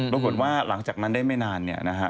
ปรากฏว่าหลังจากนั้นได้ไม่นานเนี่ยนะฮะ